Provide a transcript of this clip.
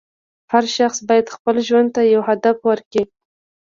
هر شخص باید خپل ژوند ته یو هدف ورکړي.